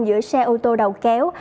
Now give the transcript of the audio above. giữa xe ô tô đầu kéo